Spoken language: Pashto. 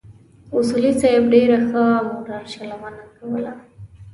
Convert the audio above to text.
اصولي صیب ډېره ښه موټر چلونه کوله.